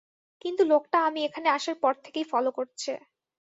কিন্তু লোকটা আমি এখানে আসার পর থেকেই ফলো করছে।